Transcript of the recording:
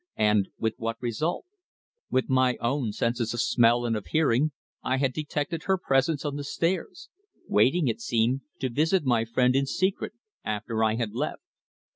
And with what result? With my own senses of smell and of hearing I had detected her presence on the stairs waiting, it seemed, to visit my friend in secret after I had left.